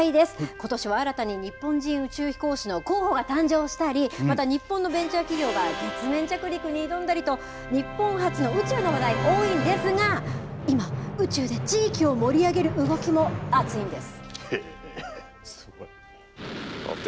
ことしは新たに日本人宇宙飛行士の候補が誕生したりまた日本のベンチャー企業が月面着陸に挑んだりと日本発の宇宙の話題多いんですが今、宇宙で地域を盛り上げる動きも熱いんです。